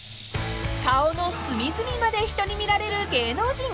［顔の隅々まで人に見られる芸能人］